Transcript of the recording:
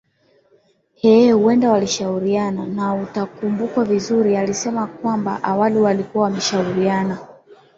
eeh huenda walishauriana na utakumbukwa vizuri alisema kwamba awali walikuwa wameshauriana